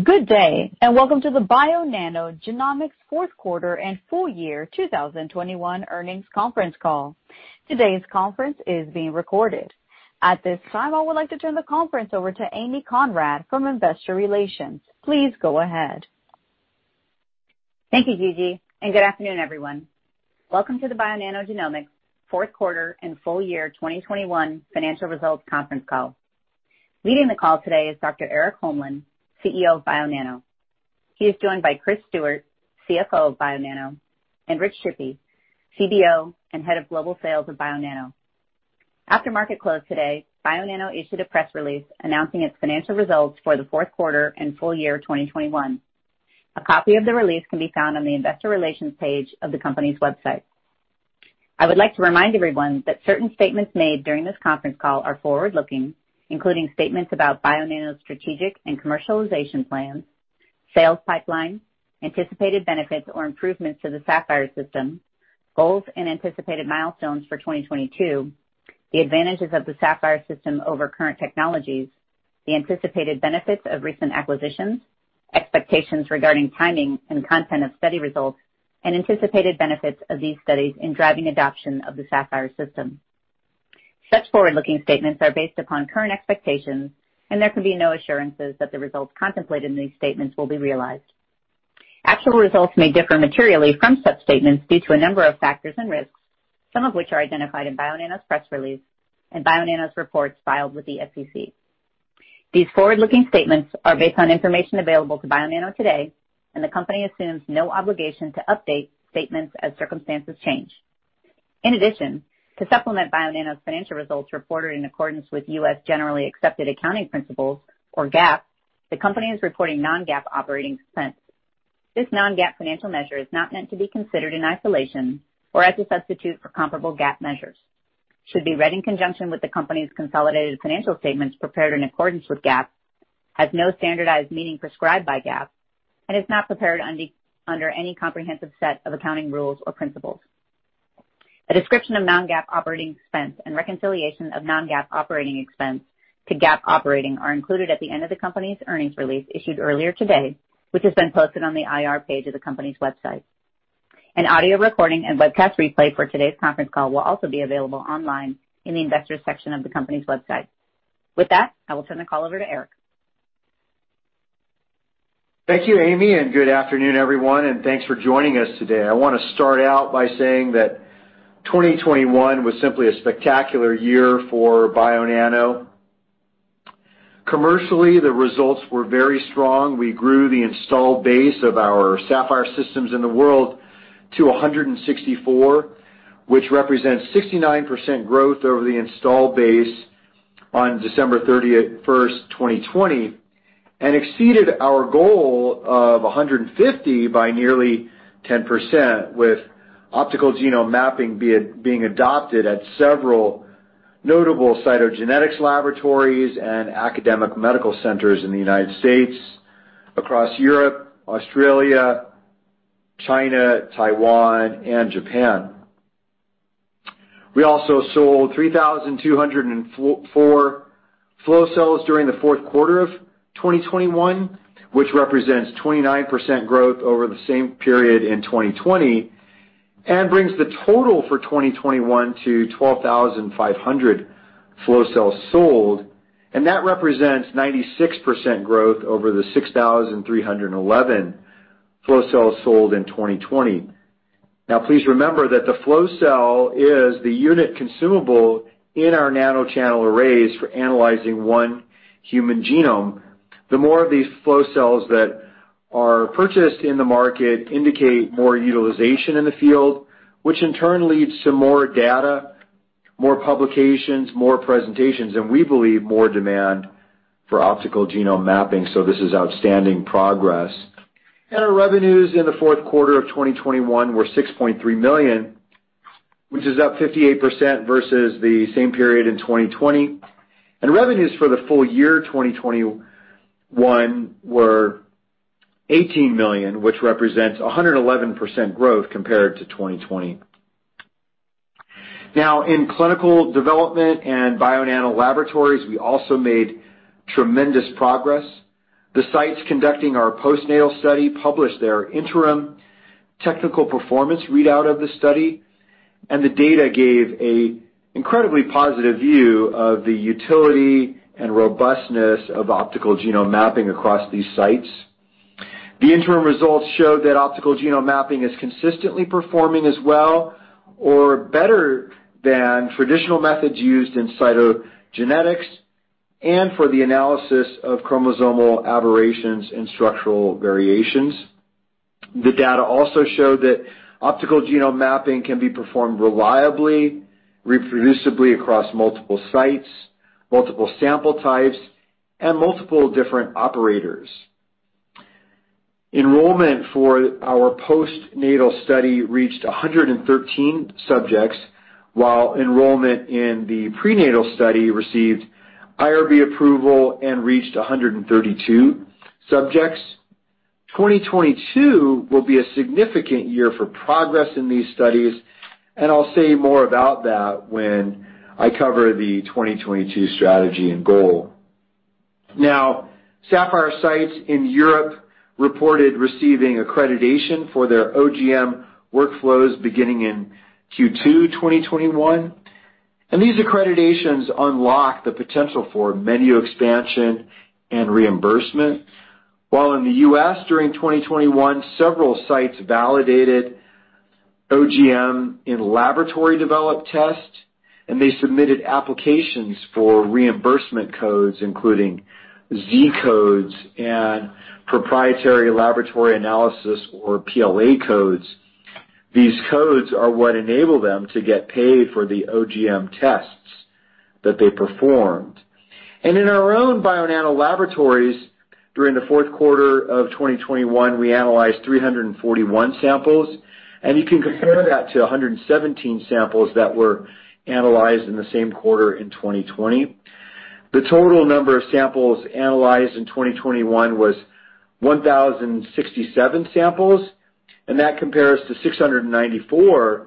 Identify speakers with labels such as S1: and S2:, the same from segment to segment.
S1: Good day, and welcome to the Bionano Genomics fourth quarter and full year 2021 earnings conference call. Today's conference is being recorded. At this time, I would like to turn the conference over to Amy Conrad from Investor Relations. Please go ahead.
S2: Thank you, Gigi, and good afternoon, everyone. Welcome to the Bionano Genomics fourth quarter and full year 2021 financial results conference call. Leading the call today is Dr. Erik Holmlin, CEO of Bionano. He is joined by Chris Stewart, CFO of Bionano, and Rich Shippy, CDO and Head of Global Sales of Bionano. After market close today, Bionano issued a press release announcing its financial results for the fourth quarter and full year 2021. A copy of the release can be found on the investor relations page of the company's website. I would like to remind everyone that certain statements made during this conference call are forward-looking, including statements about Bionano's strategic and commercialization plans, sales pipeline, anticipated benefits or improvements to the Saphyr system, goals and anticipated milestones for 2022, the advantages of the Saphyr system over current technologies, the anticipated benefits of recent acquisitions, expectations regarding timing and content of study results, and anticipated benefits of these studies in driving adoption of the Saphyr system. Such forward-looking statements are based upon current expectations, and there can be no assurances that the results contemplated in these statements will be realized. Actual results may differ materially from such statements due to a number of factors and risks, some of which are identified in Bionano's press release and Bionano's reports filed with the SEC. These forward-looking statements are based on information available to Bionano today, and the company assumes no obligation to update statements as circumstances change. In addition, to supplement Bionano's financial results reported in accordance with U.S. generally accepted accounting principles, or GAAP, the company is reporting non-GAAP operating expense. This non-GAAP financial measure is not meant to be considered in isolation or as a substitute for comparable GAAP measures. It should be read in conjunction with the company's consolidated financial statements prepared in accordance with GAAP. It has no standardized meaning prescribed by GAAP and is not prepared under any comprehensive set of accounting rules or principles. A description of non-GAAP operating expense and reconciliation of non-GAAP operating expense to GAAP operating are included at the end of the company's earnings release issued earlier today, which has been posted on the IR page of the company's website. An audio recording and webcast replay for today's conference call will also be available online in the investors section of the company's website. With that, I will turn the call over to Erik.
S3: Thank you, Amy, and good afternoon, everyone, and thanks for joining us today. I wanna start out by saying that 2021 was simply a spectacular year for Bionano. Commercially, the results were very strong. We grew the installed base of our Saphyr systems in the world to 164, which represents 69% growth over the installed base on December 31, 2020, and exceeded our goal of 150 by nearly 10%, with optical genome mapping being adopted at several notable cytogenetics laboratories and academic medical centers in the United States, across Europe, Australia, China, Taiwan, and Japan. We also sold 3,204 flow cells during the fourth quarter of 2021, which represents 29% growth over the same period in 2020 and brings the total for 2021 to 12,500 flow cells sold. That represents 96% growth over the 6,311 flow cells sold in 2020. Please remember that the flow cell is the unit consumable in our nanochannel arrays for analyzing one human genome. The more of these flow cells that are purchased in the market indicate more utilization in the field, which in turn leads to more data, more publications, more presentations, and we believe more demand for optical genome mapping. This is outstanding progress. Our revenues in the fourth quarter of 2021 were $6.3 million, which is up 58% versus the same period in 2020. Revenues for the full year 2021 were $18 million, which represents 111% growth compared to 2020. Now, in clinical development and Bionano Laboratories, we also made tremendous progress. The sites conducting our postnatal study published their interim technical performance readout of the study, and the data gave an incredibly positive view of the utility and robustness of optical genome mapping across these sites. The interim results showed that optical genome mapping is consistently performing as well or better than traditional methods used in cytogenetics and for the analysis of chromosomal aberrations and structural variations. The data also showed that optical genome mapping can be performed reliably, reproducibly across multiple sites, multiple sample types, and multiple different operators. Enrollment for our postnatal study reached 113 subjects, while enrollment in the prenatal study received IRB approval and reached 132 subjects. 2022 will be a significant year for progress in these studies, and I'll say more about that when I cover the 2022 strategy and goal. Now, Saphyr sites in Europe reported receiving accreditation for their OGM workflows beginning in Q2 2021, and these accreditations unlock the potential for menu expansion and reimbursement. While in the U.S. during 2021, several sites validated OGM in laboratory-developed tests, and they submitted applications for reimbursement codes, including Z-codes and proprietary laboratory analyses or PLA codes. These codes are what enable them to get paid for the OGM tests that they performed. In our own Bionano Laboratories during the fourth quarter of 2021, we analyzed 341 samples, and you can compare that to 117 samples that were analyzed in the same quarter in 2020. The total number of samples analyzed in 2021 was 1,067 samples, and that compares to 694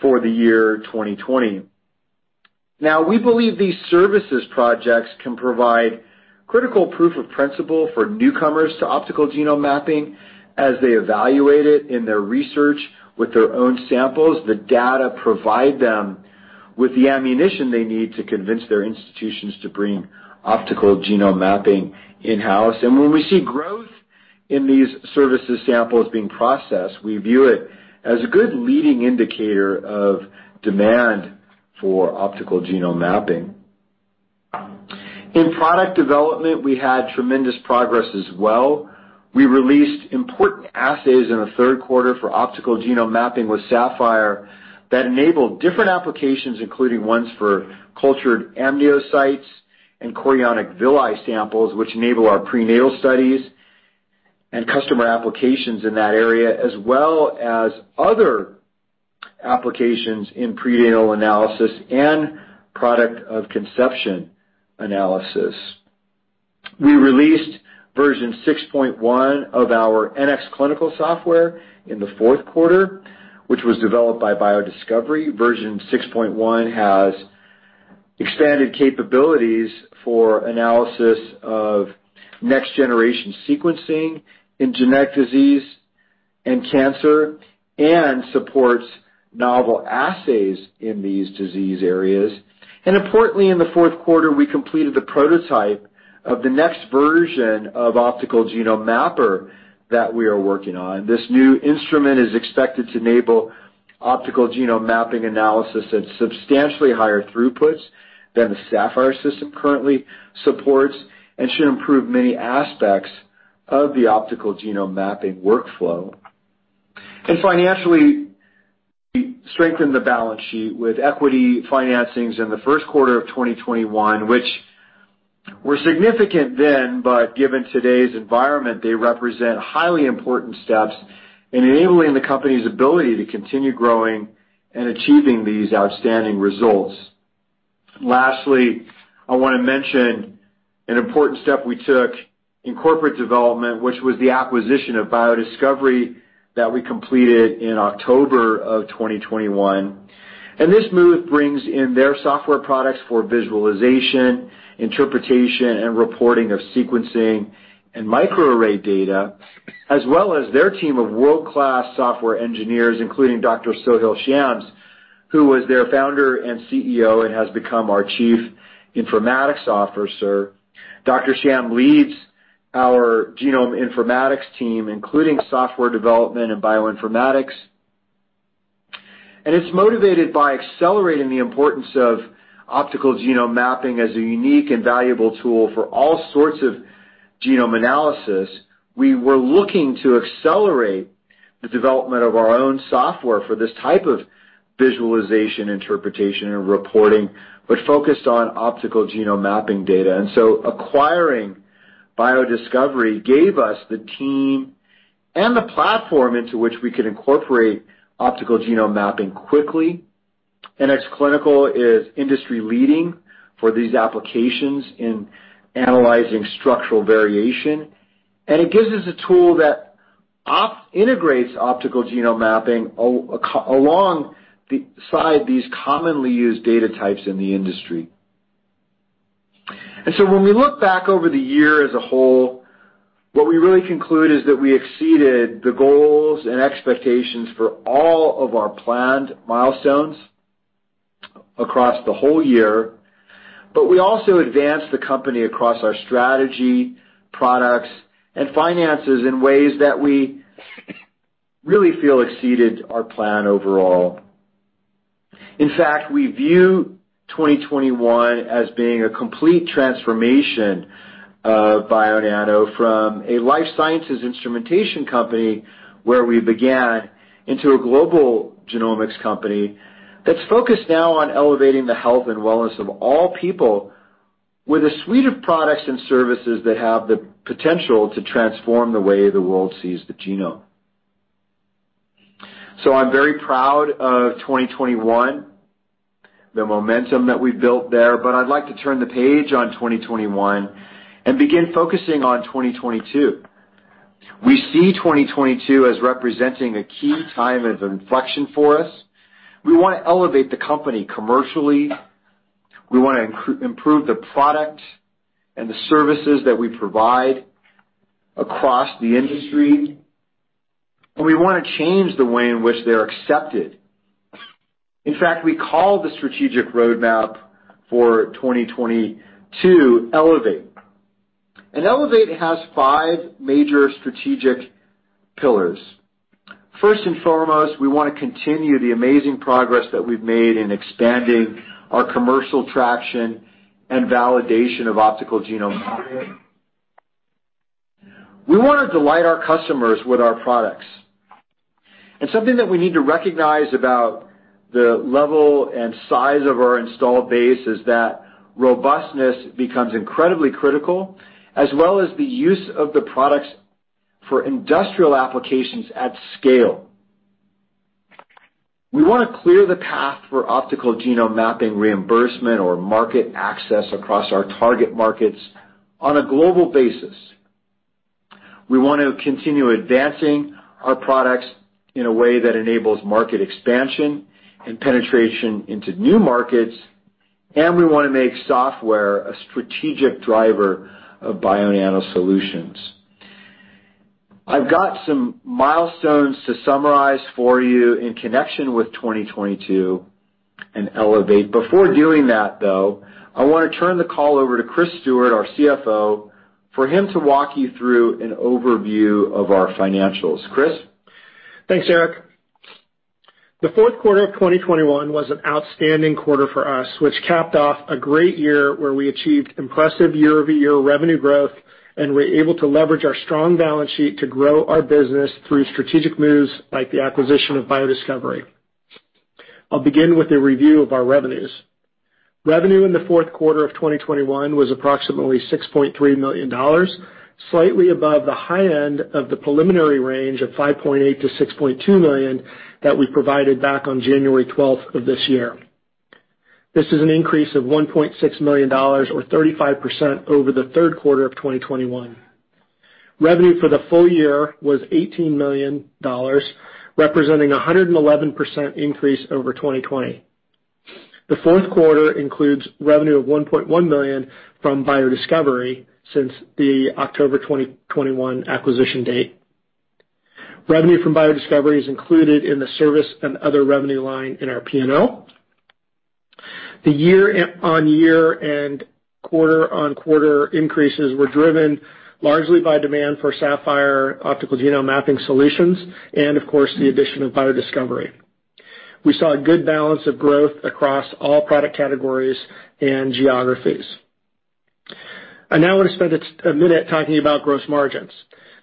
S3: for the year 2020. Now, we believe these services projects can provide critical proof of principle for newcomers to optical genome mapping as they evaluate it in their research with their own samples. The data provide them with the ammunition they need to convince their institutions to bring optical genome mapping in-house. When we see growth in these services samples being processed, we view it as a good leading indicator of demand for optical genome mapping. In product development, we had tremendous progress as well. We released important assays in the third quarter for optical genome mapping with Saphyr that enabled different applications, including ones for cultured amniocytes and chorionic villi samples, which enable our prenatal studies and customer applications in that area, as well as other applications in prenatal analysis and product of conception analysis. We released version 6.1 of our NxClinical software in the fourth quarter, which was developed by BioDiscovery. Version 6.1 has expanded capabilities for analysis of next-generation sequencing in genetic disease and cancer, and supports novel assays in these disease areas. Importantly, in the fourth quarter, we completed the prototype of the next version of optical genome mapper that we are working on. This new instrument is expected to enable optical genome mapping analysis at substantially higher throughputs than the Saphyr system currently supports and should improve many aspects of the optical genome mapping workflow. Financially, we strengthened the balance sheet with equity financings in the first quarter of 2021, which were significant then, but given today's environment, they represent highly important steps in enabling the company's ability to continue growing and achieving these outstanding results. Lastly, I wanna mention an important step we took in corporate development, which was the acquisition of BioDiscovery that we completed in October of 2021. This move brings in their software products for visualization, interpretation, and reporting of sequencing and microarray data, as well as their team of world-class software engineers, including Dr. Soheil Shams, who was their founder and CEO, and has become our chief informatics officer. Dr. Shams leads our genome informatics team, including software development and bioinformatics, and is motivated by accelerating the importance of optical genome mapping as a unique and valuable tool for all sorts of genome analysis. We were looking to accelerate the development of our own software for this type of visualization, interpretation, and reporting, but focused on optical genome mapping data. Acquiring BioDiscovery gave us the team and the platform into which we could incorporate optical genome mapping quickly. NxClinical is industry-leading for these applications in analyzing structural variation, and it gives us a tool that integrates optical genome mapping alongside these commonly used data types in the industry. When we look back over the year as a whole, what we really conclude is that we exceeded the goals and expectations for all of our planned milestones across the whole year, but we also advanced the company across our strategy, products, and finances in ways that we really feel exceeded our plan overall. In fact, we view 2021 as being a complete transformation of Bionano from a life sciences instrumentation company where we began into a global genomics company that's focused now on elevating the health and wellness of all people with a suite of products and services that have the potential to transform the way the world sees the genome. I'm very proud of 2021, the momentum that we've built there, but I'd like to turn the page on 2021 and begin focusing on 2022. We see 2022 as representing a key time of inflection for us. We wanna elevate the company commercially. We wanna improve the product and the services that we provide across the industry. We wanna change the way in which they're accepted. In fact, we call the strategic roadmap for 2022 Elevate. Elevate has five major strategic pillars. First and foremost, we wanna continue the amazing progress that we've made in expanding our commercial traction and validation of optical genome mapping. We wanna delight our customers with our products. Something that we need to recognize about the level and size of our installed base is that robustness becomes incredibly critical, as well as the use of the products for industrial applications at scale. We wanna clear the path for optical genome mapping reimbursement or market access across our target markets on a global basis. We want to continue advancing our products in a way that enables market expansion and penetration into new markets, and we wanna make software a strategic driver of Bionano solutions. I've got some milestones to summarize for you in connection with 2022 and Elevate. Before doing that, though, I wanna turn the call over to Chris Stewart, our CFO, for him to walk you through an overview of our financials. Chris?
S4: Thanks, Erik. The fourth quarter of 2021 was an outstanding quarter for us, which capped off a great year where we achieved impressive year-over-year revenue growth and were able to leverage our strong balance sheet to grow our business through strategic moves like the acquisition of BioDiscovery. I'll begin with a review of our revenues. Revenue in the fourth quarter of 2021 was approximately $6.3 million, slightly above the high end of the preliminary range of $5.8 million-$6.2 million that we provided back on January 12 of this year. This is an increase of $1.6 million or 35% over the third quarter of 2021. Revenue for the full year was $18 million, representing a 111% increase over 2020. The fourth quarter includes revenue of $1.1 million from BioDiscovery since the October 2021 acquisition date. Revenue from BioDiscovery is included in the service and other revenue line in our P&L. The year-over-year and quarter-over-quarter increases were driven largely by demand for Saphyr optical genome mapping solutions and, of course, the addition of BioDiscovery. We saw a good balance of growth across all product categories and geographies. I now want to spend a minute talking about gross margins.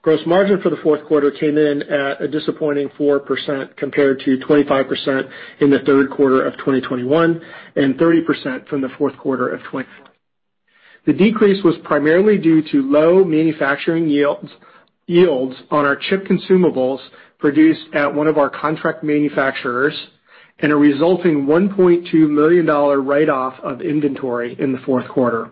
S4: Gross margin for the fourth quarter came in at a disappointing 4% compared to 25% in the third quarter of 2021 and 30% from the fourth quarter of 2020. The decrease was primarily due to low manufacturing yields on our chip consumables produced at one of our contract manufacturers and a resulting $1.2 million write-off of inventory in the fourth quarter.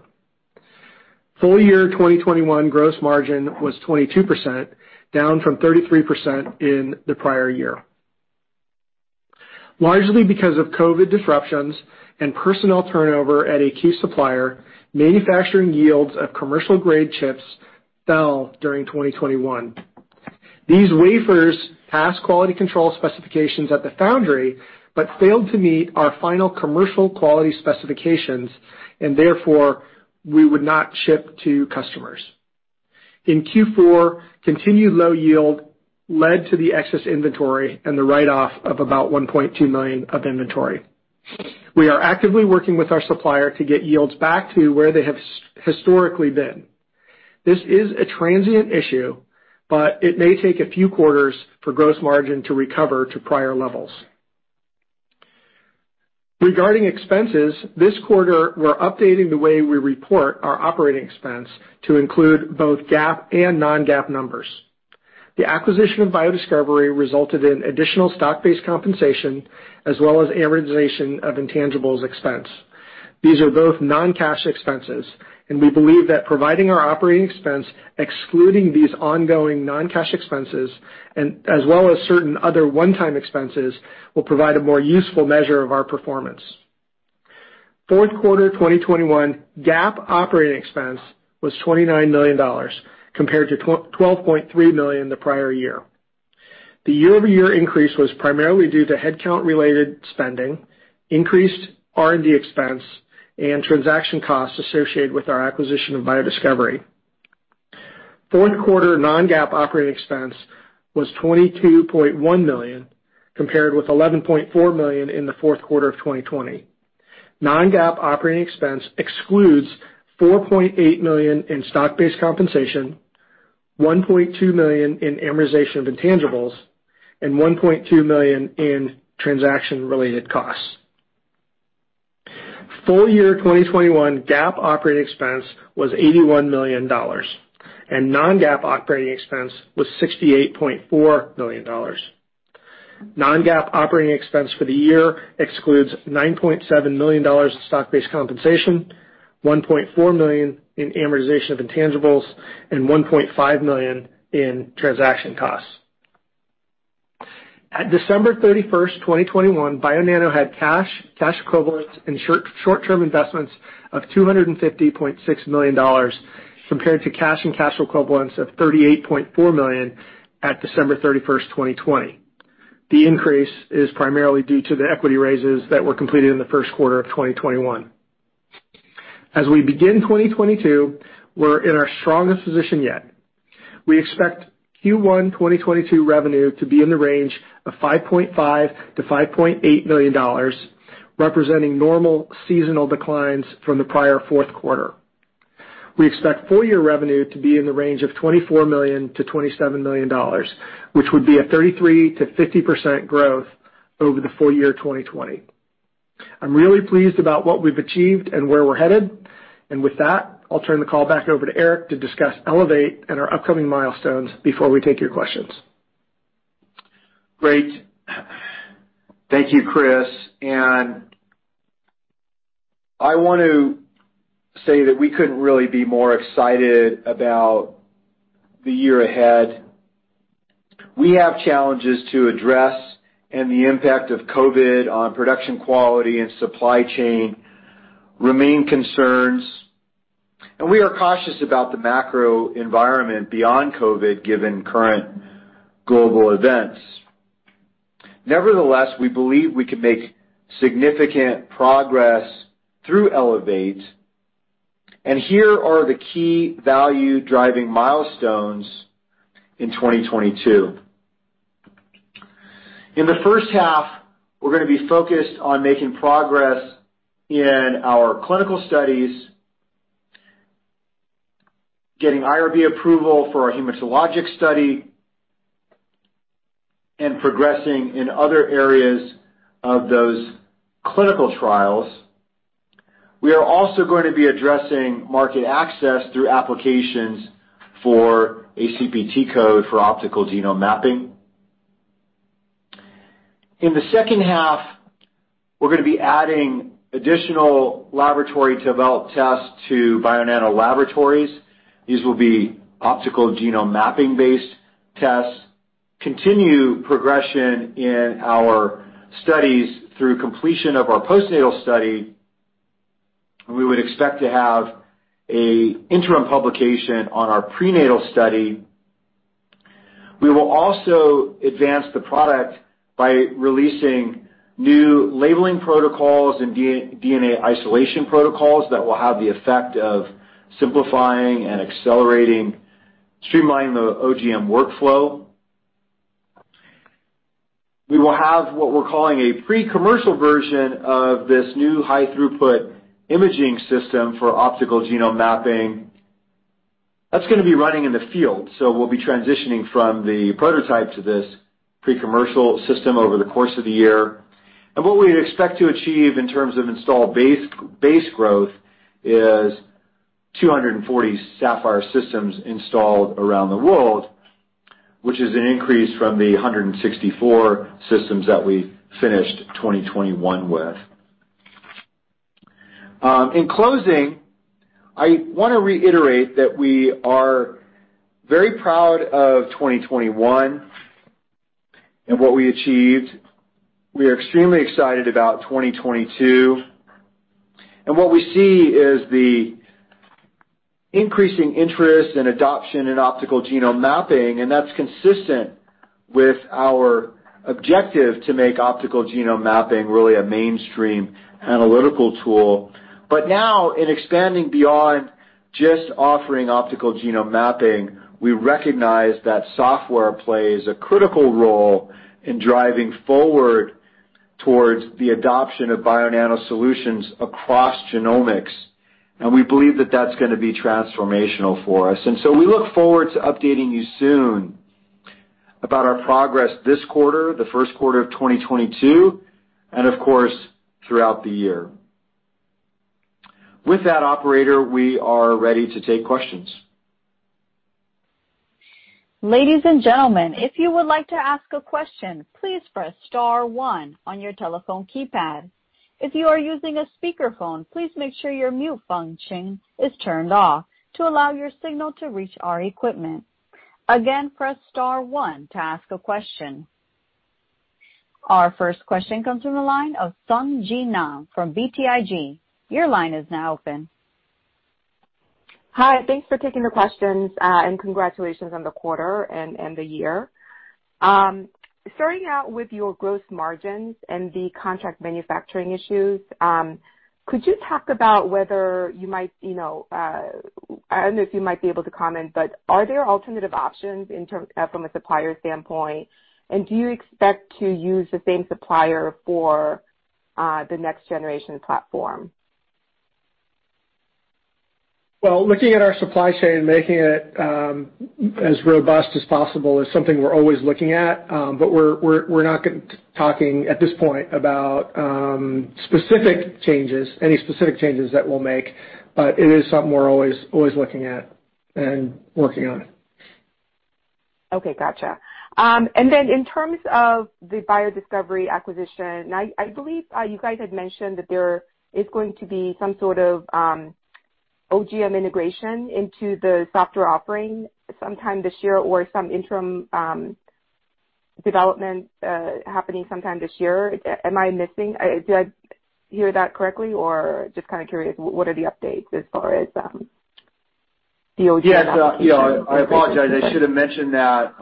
S4: Full year 2021 gross margin was 22%, down from 33% in the prior year. Largely because of COVID disruptions and personnel turnover at a key supplier, manufacturing yields of commercial grade chips fell during 2021. These wafers pass quality control specifications at the foundry, but failed to meet our final commercial quality specifications and therefore we would not ship to customers. In Q4, continued low yield led to the excess inventory and the write-off of about $1.2 million of inventory. We are actively working with our supplier to get yields back to where they have historically been. This is a transient issue, but it may take a few quarters for gross margin to recover to prior levels. Regarding expenses, this quarter, we're updating the way we report our operating expense to include both GAAP and non-GAAP numbers. The acquisition of BioDiscovery resulted in additional stock-based compensation as well as amortization of intangibles expense. These are both non-cash expenses, and we believe that providing our operating expense, excluding these ongoing non-cash expenses and as well as certain other one-time expenses, will provide a more useful measure of our performance. Fourth quarter 2021 GAAP operating expense was $29 million compared to $12.3 million the prior year. The year-over-year increase was primarily due to headcount-related spending, increased R&D expense, and transaction costs associated with our acquisition of BioDiscovery. Fourth quarter non-GAAP operating expense was $22.1 million, compared with $11.4 million in the fourth quarter of 2020. Non-GAAP operating expense excludes $4.8 million in stock-based compensation, $1.2 million in amortization of intangibles, and $1.2 million in transaction-related costs. Full year 2021 GAAP operating expense was $81 million and non-GAAP operating expense was $68.4 million. Non-GAAP operating expense for the year excludes $9.7 million in stock-based compensation, $1.4 million in amortization of intangibles, and $1.5 million in transaction costs. At December 31, 2021, Bionano had cash equivalents, and short-term investments of $250.6 million compared to cash and cash equivalents of $38.4 million at December 31, 2020. The increase is primarily due to the equity raises that were completed in the first quarter of 2021. As we begin 2022, we're in our strongest position yet. We expect Q1 2022 revenue to be in the range of $5.5 million-$5.8 million, representing normal seasonal declines from the prior fourth quarter. We expect full year revenue to be in the range of $24 million-$27 million, which would be a 33%-50% growth over the full year 2020. I'm really pleased about what we've achieved and where we're headed. With that, I'll turn the call back over to Erik to discuss Elevate and our upcoming milestones before we take your questions.
S3: Great. Thank you, Chris. I want to say that we couldn't really be more excited about the year ahead. We have challenges to address, and the impact of COVID on production quality and supply chain remain concerns. We are cautious about the macro environment beyond COVID, given current global events. Nevertheless, we believe we can make significant progress through Elevate, and here are the key value-driving milestones in 2022. In the first half, we're gonna be focused on making progress in our clinical studies, getting IRB approval for our hematologic study, and progressing in other areas of those clinical trials. We are also going to be addressing market access through applications for a CPT code for optical genome mapping. In the second half, we're gonna be adding additional laboratory-developed tests to Bionano Laboratories. These will be optical genome mapping-based tests, continue progression in our studies through completion of our postnatal study, and we would expect to have an interim publication on our prenatal study. We will also advance the product by releasing new labeling protocols and DNA isolation protocols that will have the effect of simplifying and accelerating, streamlining the OGM workflow. We will have what we're calling a pre-commercial version of this new high throughput imaging system for optical genome mapping. That's gonna be running in the field, so we'll be transitioning from the prototype to this pre-commercial system over the course of the year. What we expect to achieve in terms of installed base growth is 240 Saphyr systems installed around the world, which is an increase from the 164 systems that we finished 2021 with. In closing, I wanna reiterate that we are very proud of 2021 and what we achieved. We are extremely excited about 2022, and what we see is the increasing interest and adoption in optical genome mapping, and that's consistent with our objective to make optical genome mapping really a mainstream analytical tool. Now, in expanding beyond just offering optical genome mapping, we recognize that software plays a critical role in driving forward towards the adoption of Bionano solutions across genomics, and we believe that that's gonna be transformational for us. We look forward to updating you soon about our progress this quarter, the first quarter of 2022, and of course, throughout the year. With that, operator, we are ready to take questions.
S1: Ladies and gentlemen, if you would like to ask a question, please press star one on your telephone keypad. If you are using a speakerphone, please make sure your mute function is turned off to allow your signal to reach our equipment. Again, press star one to ask a question. Our first question comes from the line of Sung Ji Nam from BTIG. Your line is now open.
S5: Hi. Thanks for taking the questions, and congratulations on the quarter and the year. Starting out with your gross margins and the contract manufacturing issues, could you talk about whether you might, you know, I don't know if you might be able to comment, but are there alternative options from a supplier standpoint, and do you expect to use the same supplier for the next generation platform?
S4: Well, looking at our supply chain, making it as robust as possible is something we're always looking at, but we're not talking at this point about specific changes, any specific changes that we'll make. It is something we're always looking at and working on.
S5: Okay, gotcha. In terms of the BioDiscovery acquisition, I believe you guys had mentioned that there is going to be some sort of OGM integration into the software offering sometime this year or some interim development happening sometime this year. Am I missing? Did I hear that correctly, or just kinda curious, what are the updates as far as the OGM application?
S3: Yes. You know, I apologize. I should have mentioned that.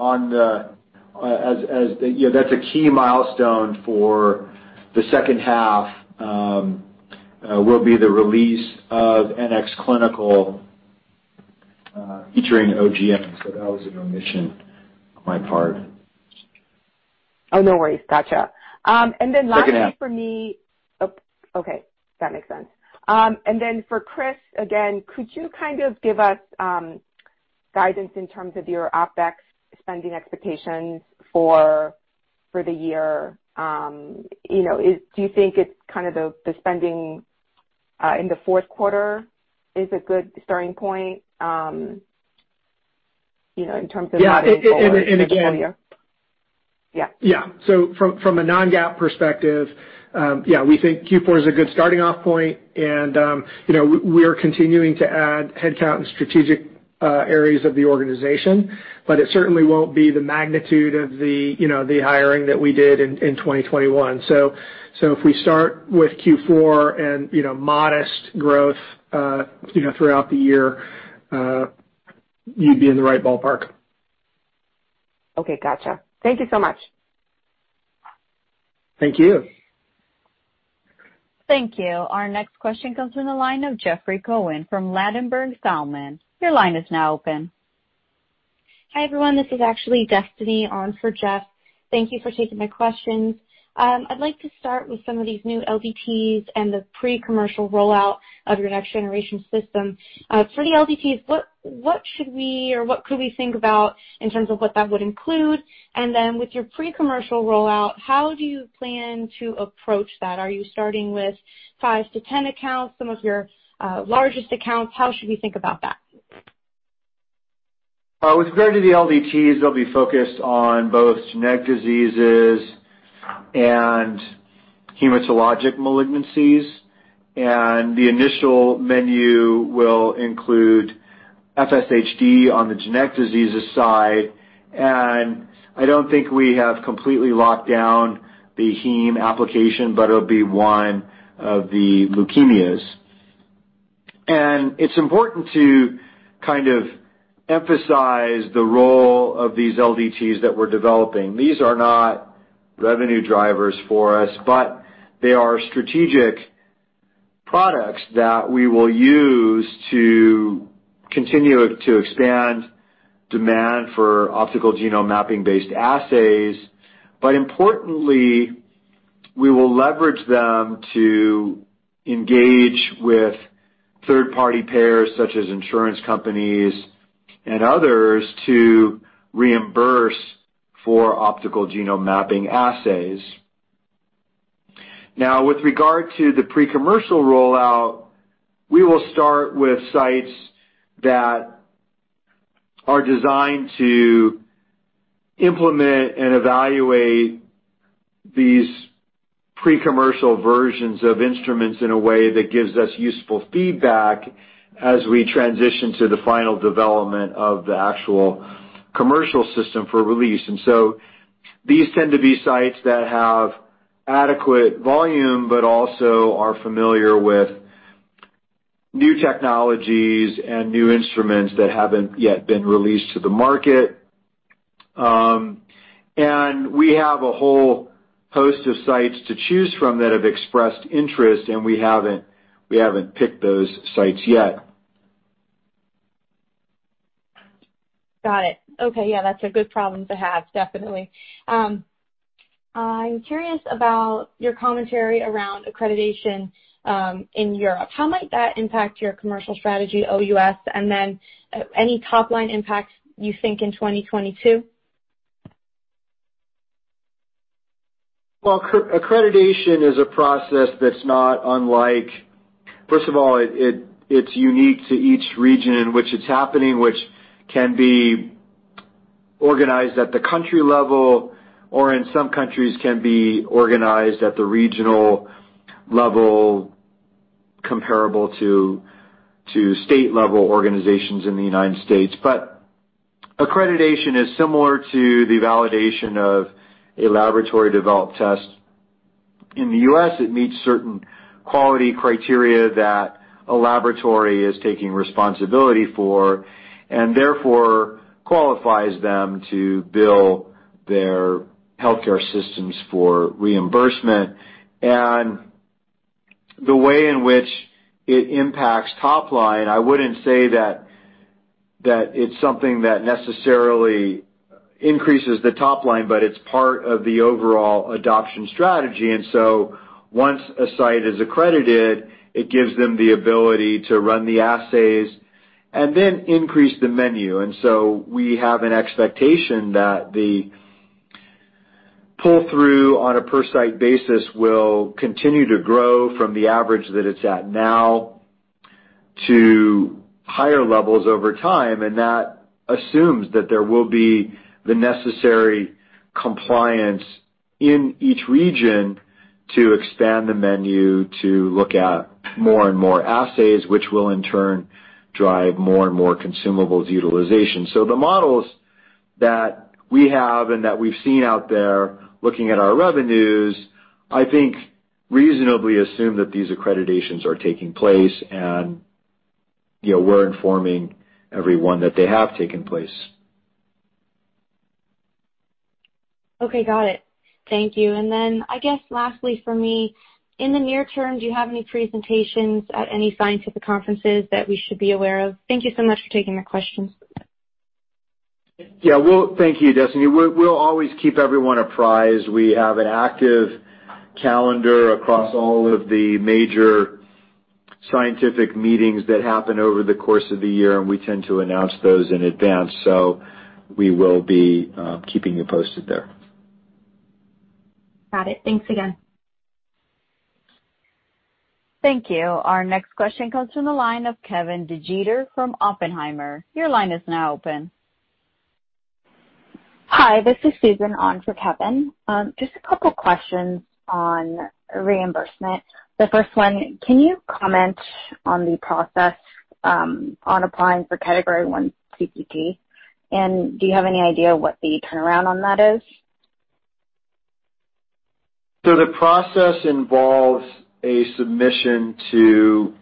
S3: As you know, that's a key milestone for the second half that will be the release of NxClinical featuring OGM. That was an omission on my part.
S5: Oh, no worries. Gotcha. Then lastly for me-
S3: Second half.
S5: Oh, okay. That makes sense. For Chris, again, could you kind of give us guidance in terms of your OpEx spending expectations for the year? You know, do you think it's kind of the spending in the fourth quarter is a good starting point, you know, in terms of modeling for the full year?
S4: Yeah.
S5: Yeah.
S4: Yeah. From a non-GAAP perspective, we think Q4 is a good starting off point and you know we are continuing to add headcount in strategic areas of the organization, but it certainly won't be the magnitude of the you know the hiring that we did in 2021. If we start with Q4 and you know modest growth you know throughout the year you'd be in the right ballpark.
S5: Okay, gotcha. Thank you so much.
S4: Thank you.
S1: Thank you. Our next question comes from the line of Jeffrey Cohen from Ladenburg Thalmann. Your line is now open.
S6: Hi, everyone. This is actually Destiny on for Jeff. Thank you for taking my questions. I'd like to start with some of these new LDTs and the pre-commercial rollout of your next generation system. For the LDTs, what should we or what could we think about in terms of what that would include? Then with your pre-commercial rollout, how do you plan to approach that? Are you starting with five to 10 accounts, some of your largest accounts? How should we think about that?
S3: With regard to the LDTs, they'll be focused on both genetic diseases and hematologic malignancies. The initial menu will include FSHD on the genetic diseases side, and I don't think we have completely locked down the heme application, but it'll be one of the leukemias. It's important to kind of emphasize the role of these LDTs that we're developing. These are not revenue drivers for us, but they are strategic products that we will use to continue to expand demand for optical genome mapping-based assays. Importantly, we will leverage them to engage with third-party payers such as insurance companies and others to reimburse for optical genome mapping assays. Now, with regard to the pre-commercial rollout, we will start with sites that are designed to implement and evaluate these pre-commercial versions of instruments in a way that gives us useful feedback as we transition to the final development of the actual commercial system for release. These tend to be sites that have adequate volume, but also are familiar with new technologies and new instruments that haven't yet been released to the market. We have a whole host of sites to choose from that have expressed interest, and we haven't picked those sites yet.
S6: Got it. Okay. Yeah, that's a good problem to have, definitely. I'm curious about your commentary around accreditation in Europe. How might that impact your commercial strategy OUS, and then any top-line impact you think in 2022?
S3: Well, accreditation is a process that's not unlike first of all, it's unique to each region in which it's happening, which can be organized at the country level, or in some countries can be organized at the regional level, comparable to state-level organizations in the United States. Accreditation is similar to the validation of a laboratory-developed test. In the U.S., it meets certain quality criteria that a laboratory is taking responsibility for, and therefore qualifies them to bill their healthcare systems for reimbursement. The way in which it impacts top line, I wouldn't say that it's something that necessarily increases the top line, but it's part of the overall adoption strategy. Once a site is accredited, it gives them the ability to run the assays and then increase the menu. We have an expectation that the pull-through on a per site basis will continue to grow from the average that it's at now to higher levels over time. That assumes that there will be the necessary compliance in each region to expand the menu to look at more and more assays, which will in turn drive more and more consumables utilization. The models that we have and that we've seen out there looking at our revenues, I think reasonably assume that these accreditations are taking place, and, you know, we're informing everyone that they have taken place.
S6: Okay, got it. Thank you. I guess lastly for me, in the near term, do you have any presentations at any scientific conferences that we should be aware of? Thank you so much for taking the questions.
S3: Thank you, Destiny. We'll always keep everyone apprised. We have an active calendar across all of the major scientific meetings that happen over the course of the year, and we tend to announce those in advance, so we will be keeping you posted there.
S6: Got it. Thanks again.
S1: Thank you. Our next question comes from the line of Kevin DeGeeter from Oppenheimer. Your line is now open.
S7: Hi, this is Susan on for Kevin. Just a couple questions on reimbursement. The first one, can you comment on the process on applying for Category I CPT? Do you have any idea what the turnaround on that is?
S3: The process involves a submission to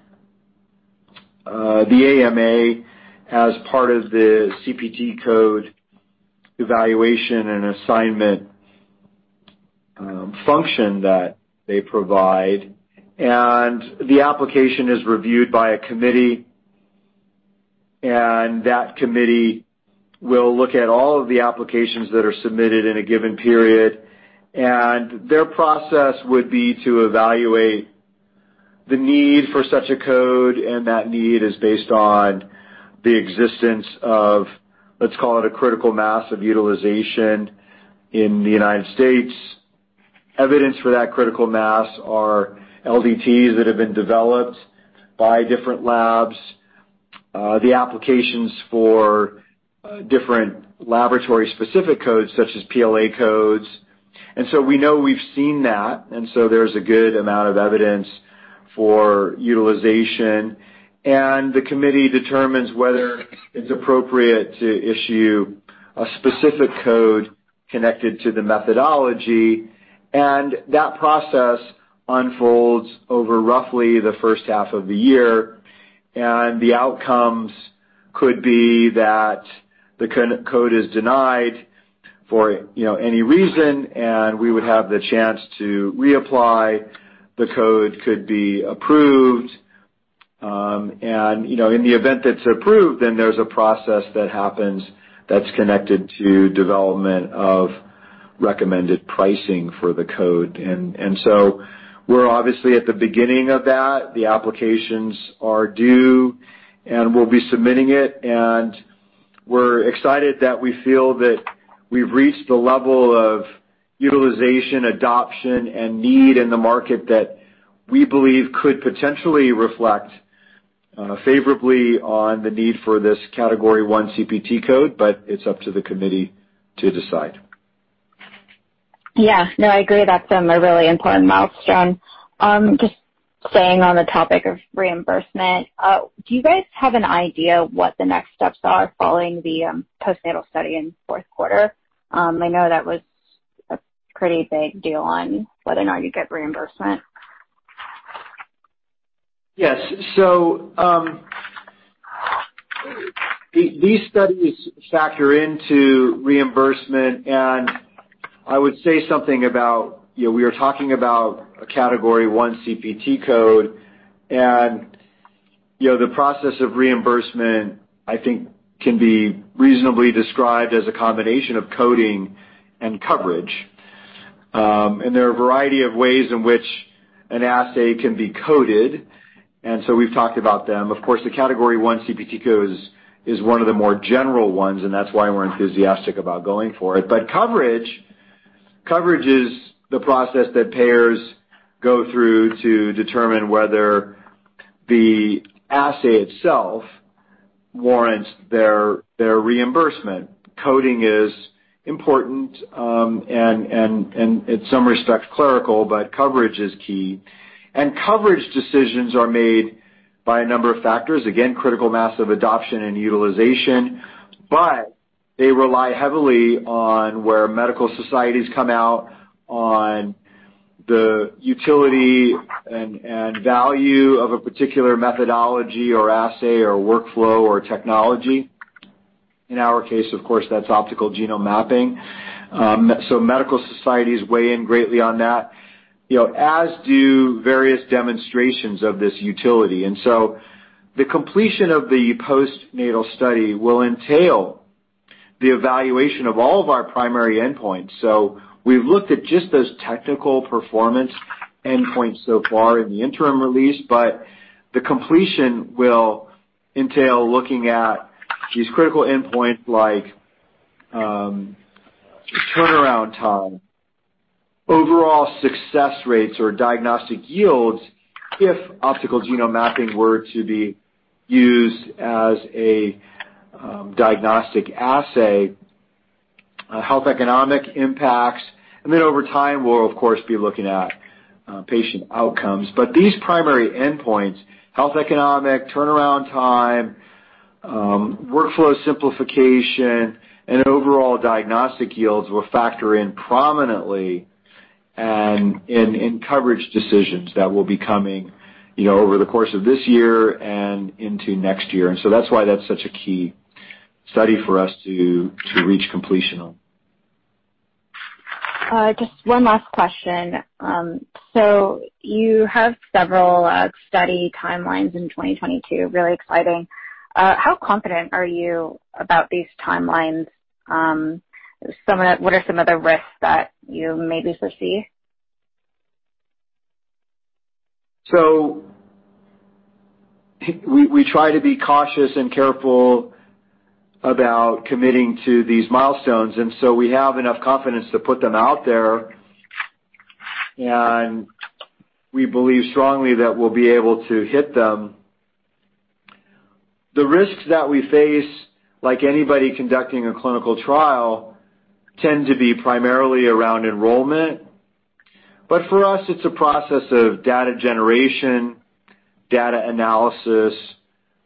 S3: the AMA as part of the CPT code evaluation and assignment function that they provide. The application is reviewed by a committee, and that committee will look at all of the applications that are submitted in a given period. Their process would be to evaluate the need for such a code, and that need is based on the existence of, let's call it, a critical mass of utilization in the United States. Evidence for that critical mass are LDTs that have been developed by different labs, the applications for different laboratory specific codes, such as PLA codes. We know we've seen that, and so there's a good amount of evidence for utilization. The committee determines whether it's appropriate to issue a specific code connected to the methodology. That process unfolds over roughly the first half of the year. The outcomes could be that the code is denied for, you know, any reason, and we would have the chance to reapply. The code could be approved. You know, in the event that's approved, there's a process that happens that's connected to development of recommended pricing for the code. We're obviously at the beginning of that. The applications are due, and we'll be submitting it. We're excited that we feel that we've reached the level of utilization, adoption, and need in the market that we believe could potentially reflect favorably on the need for this Category I CPT code, but it's up to the committee to decide.
S7: Yeah. No, I agree. That's a really important milestone. Just staying on the topic of reimbursement, do you guys have an idea what the next steps are following the postnatal study in fourth quarter? I know that was a pretty big deal on whether or not you get reimbursement.
S3: Yes. These studies factor into reimbursement, and I would say something about, you know, we are talking about a Category I CPT code. You know, the process of reimbursement, I think, can be reasonably described as a combination of coding and coverage. There are a variety of ways in which an assay can be coded, and so we've talked about them. Of course, the Category I CPT code is one of the more general ones, and that's why we're enthusiastic about going for it. Coverage is the process that payers go through to determine whether the assay itself warrants their reimbursement. Coding is important, and in some respects clerical, but coverage is key. Coverage decisions are made by a number of factors. Again, critical mass of adoption and utilization. They rely heavily on where medical societies come out on the utility and value of a particular methodology or assay or workflow or technology. In our case, of course, that's optical genome mapping. Medical societies weigh in greatly on that, you know, as do various demonstrations of this utility. The completion of the postnatal study will entail the evaluation of all of our primary endpoints. We've looked at just those technical performance endpoints so far in the interim release, but the completion will entail looking at these critical endpoints like turnaround time, overall success rates or diagnostic yields if optical genome mapping were to be used as a diagnostic assay, health economic impacts, and then over time, we'll of course be looking at patient outcomes. These primary endpoints, health economic, turnaround time, workflow simplification, and overall diagnostic yields will factor in prominently and in coverage decisions that will be coming, you know, over the course of this year and into next year. That's why such a key study for us to reach completion on.
S7: Just one last question. You have several study timelines in 2022. Really exciting. How confident are you about these timelines? What are some of the risks that you maybe foresee?
S3: We try to be cautious and careful about committing to these milestones, and so we have enough confidence to put them out there, and we believe strongly that we'll be able to hit them. The risks that we face, like anybody conducting a clinical trial, tend to be primarily around enrollment. For us, it's a process of data generation, data analysis,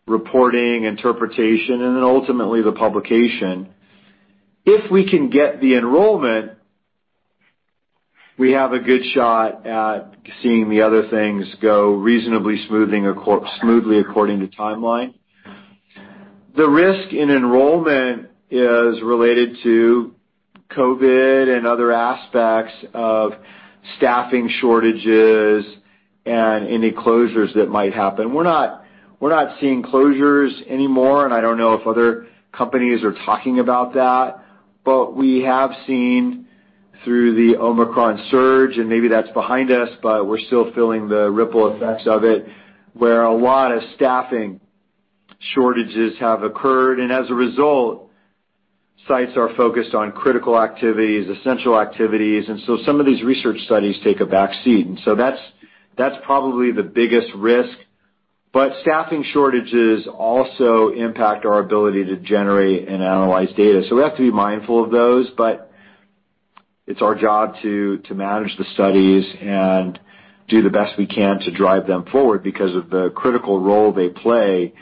S3: reporting, interpretation, and then ultimately the publication. If we can get the enrollment, we have a good shot at seeing the other things go reasonably smoothly according to timeline. The risk in enrollment is related to COVID and other aspects of staffing shortages and any closures that might happen. We're not seeing closures anymore, and I don't know if other companies are talking about that. We have seen through the Omicron surge, and maybe that's behind us, but we're still feeling the ripple effects of it, where a lot of staffing shortages have occurred, and as a result, sites are focused on critical activities, essential activities, and so some of these research studies take a back seat. That's probably the biggest risk. Staffing shortages also impact our ability to generate and analyze data, so we have to be mindful of those. It's our job to manage the studies and do the best we can to drive them forward because of the critical role they play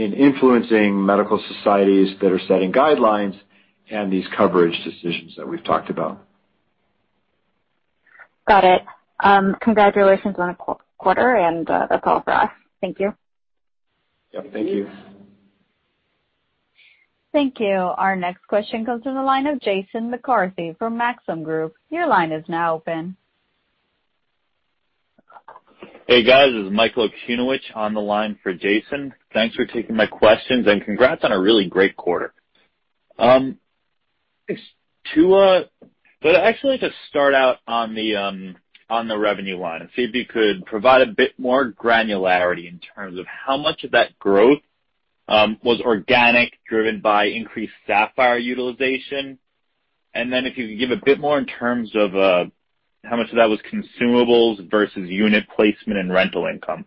S3: in influencing medical societies that are setting guidelines and these coverage decisions that we've talked about.
S7: Got it. Congratulations on a quarter and that's all for us. Thank you.
S3: Yep, thank you.
S1: Thank you. Our next question comes from the line of Jason McCarthy from Maxim Group. Your line is now open.
S8: Hey, guys. This is Michael Okunewitch on the line for Jason. Thanks for taking my questions, and congrats on a really great quarter. Actually to start out on the revenue line and see if you could provide a bit more granularity in terms of how much of that growth was organic, driven by increased Saphyr utilization. If you could give a bit more in terms of how much of that was consumables versus unit placement and rental income.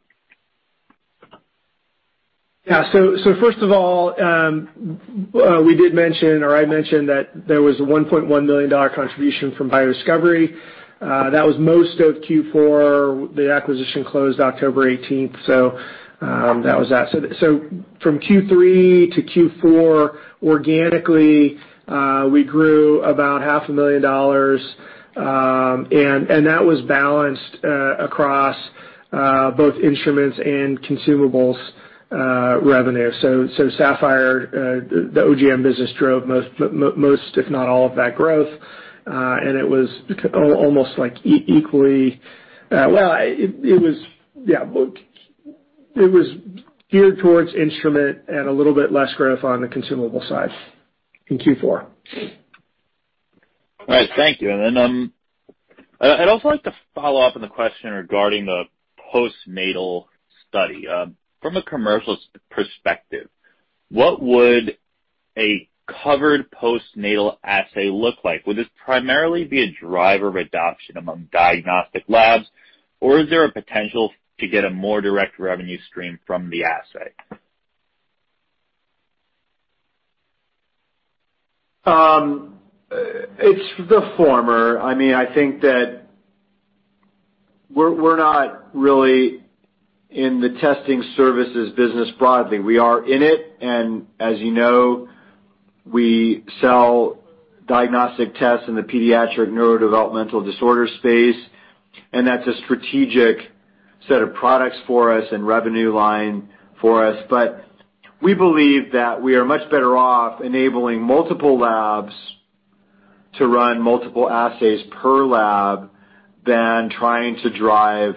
S4: First of all, we did mention, or I mentioned, that there was a $1.1 million contribution from BioDiscovery. That was most of Q4. The acquisition closed October 18, so that was that. From Q3 to Q4, organically, we grew about half a million dollars, and that was balanced across both instruments and consumables revenue. Saphyr, the OGM business, drove most, if not all, of that growth. It was geared towards instrument and a little bit less growth on the consumable side in Q4.
S8: All right. Thank you. I'd also like to follow up on the question regarding the postnatal study. From a commercial perspective, what would a covered postnatal assay look like? Would this primarily be a driver of adoption among diagnostic labs, or is there a potential to get a more direct revenue stream from the assay?
S3: It's the former. I mean, I think that we're not really in the testing services business broadly. We are in it, and as you know, we sell diagnostic tests in the pediatric neurodevelopmental disorder space. That's a strategic set of products for us and revenue line for us. We believe that we are much better off enabling multiple labs to run multiple assays per lab than trying to drive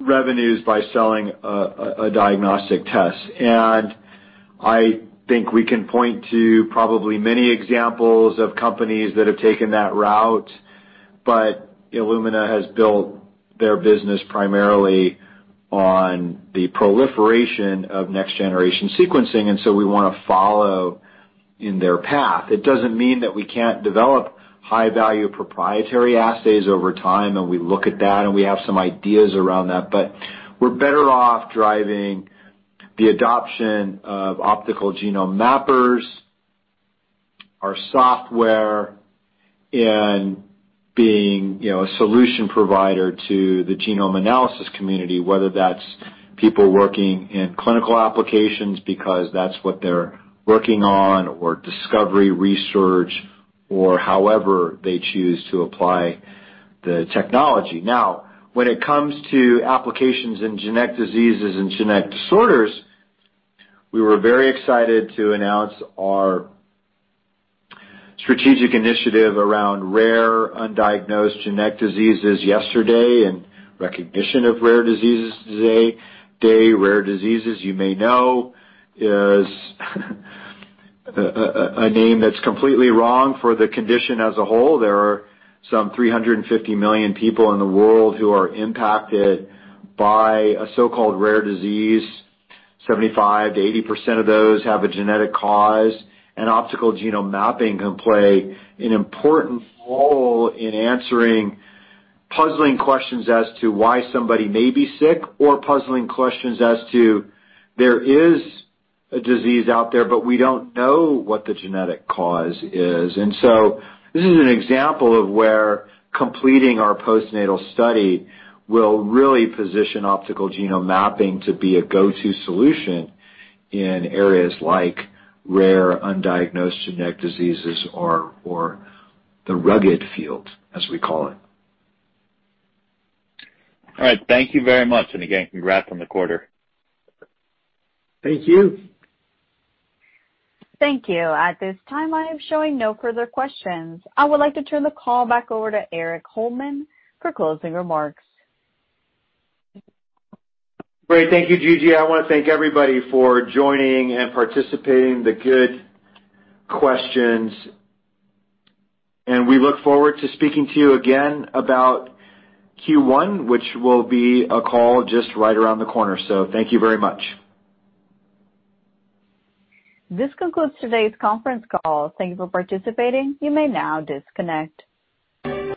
S3: revenues by selling a diagnostic test. I think we can point to probably many examples of companies that have taken that route. Illumina has built their business primarily on the proliferation of next-generation sequencing, and so we wanna follow in their path. It doesn't mean that we can't develop high-value proprietary assays over time, and we look at that, and we have some ideas around that. We're better off driving the adoption of optical genome mappers, our software, and being, you know, a solution provider to the genome analysis community, whether that's people working in clinical applications because that's what they're working on, or discovery research or however they choose to apply the technology. Now, when it comes to applications in genetic diseases and genetic disorders, we were very excited to announce our strategic initiative around rare undiagnosed genetic diseases yesterday, and recognition of rare diseases today. Rare diseases, you may know, is a name that's completely wrong for the condition as a whole. There are some 350 million people in the world who are impacted by a so-called rare disease. 75%-80% of those have a genetic cause. Optical genome mapping can play an important role in answering puzzling questions as to why somebody may be sick or puzzling questions as to there is a disease out there, but we don't know what the genetic cause is. This is an example of where completing our postnatal study will really position optical genome mapping to be a go-to solution in areas like rare undiagnosed genetic diseases or the RUGD field, as we call it.
S8: All right. Thank you very much. Again, congrats on the quarter.
S3: Thank you.
S1: Thank you. At this time, I am showing no further questions. I would like to turn the call back over to Erik Holmlin for closing remarks.
S3: Great. Thank you, Gigi. I wanna thank everybody for joining and participating, the good questions, and we look forward to speaking to you again about Q1, which will be a call just right around the corner. Thank you very much.
S1: This concludes today's conference call. Thank you for participating. You may now disconnect.